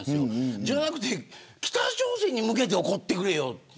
そうじゃなくて北朝鮮に向けて怒ってくれよ。